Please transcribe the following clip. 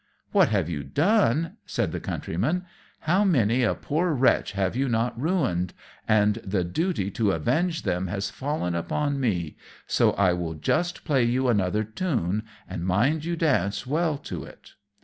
"What have you done?" said the Countryman. "How many a poor wretch have you not ruined! And the duty to avenge them has fallen upon me, so I will just play you another tune, and mind you dance well to it."